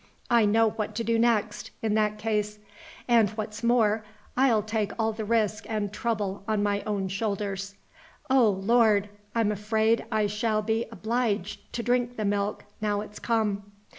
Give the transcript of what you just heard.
I know what to do next, in that case and, what's more, I'll take all the risk and trouble on my own shoulders. Oh, Lord! I'm afraid I shall be obliged to drink the milk, now it's come!"